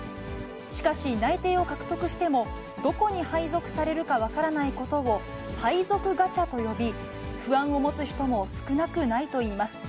しかし、内定を獲得しても、どこに配属されるか分からないことを配属ガチャと呼び、不安を持つ人も少なくないといいます。